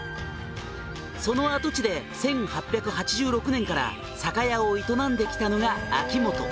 「その跡地で１８８６年から酒屋を営んできたのが秋元」